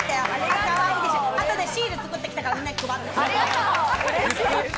あとシール作ってきたから、みんなに配る。